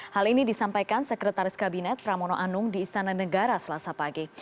hal ini disampaikan sekretaris kabinet pramono anung di istana negara selasa pagi